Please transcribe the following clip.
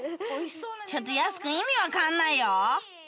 ちょっとやす子意味分かんないよ